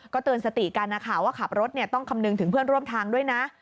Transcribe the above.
เตือนสติกันนะคะว่าขับรถต้องคำนึงถึงเพื่อนร่วมทางด้วยนะ